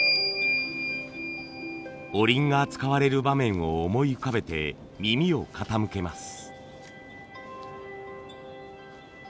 おりんが使われる場面を思い浮かべて耳を傾けます。